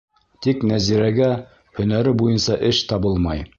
Тик Нәзирәгә һөнәре буйынса эш табылмай.